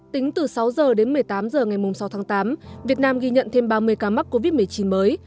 tính từ sáu h đến một mươi tám h ngày sáu tháng tám việt nam ghi nhận thêm ba mươi ca mắc covid một mươi chín mới